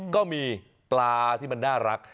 ก็มีปลาที่มันน่ารัก